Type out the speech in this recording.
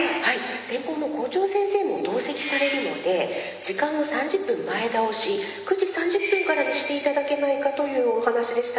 先方の校長先生も同席されるので時間を３０分前倒し９時３０分からにして頂けないかというお話でした。